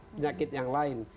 penyakit yang lain